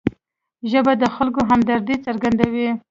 ژبه د خلکو همدردي څرګندوي